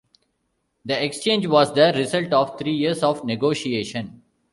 The exchange was the result of three years of negotiation.